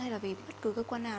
hay là về bất cứ cơ quan nào